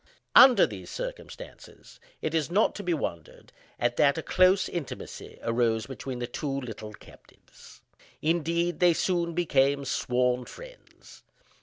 Under these circumstances, it is not to be wondered at that a close intimacy arose between the two little captives. Indeed, they soon became sworn friends.